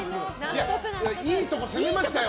いいとこ攻めましたよ。